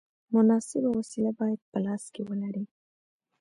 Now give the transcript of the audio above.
مناسبه وسیله باید په لاس کې ولرې.